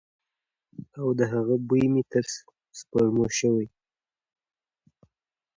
او د هغه بوی مې تر سپوږمو شوی وی.